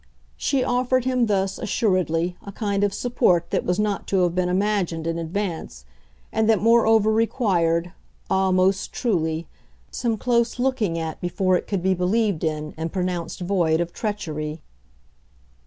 She offered him thus, assuredly, a kind of support that was not to have been imagined in advance, and that moreover required ah most truly! some close looking at before it could be believed in and pronounced void of treachery.